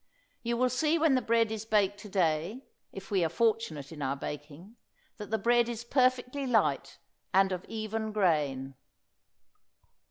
You will see when the bread is baked to day, if we are fortunate in our baking, that the bread is perfectly light and of even grain.